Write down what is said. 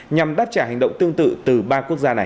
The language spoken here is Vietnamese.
nhằm đáp trả hành động tương tự từ ba quốc gia này